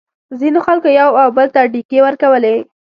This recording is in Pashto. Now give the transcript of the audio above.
ځینو خلکو یو او بل ته ډیکې ورکولې.